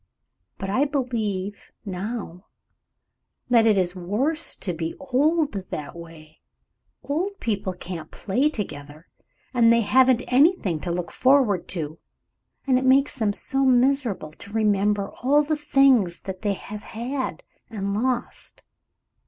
But I believe, now, that it is worse to be old that way. Old people can't play together, and they haven't anything to look forward to, and it makes them so miserable to remember all the things they have had and lost.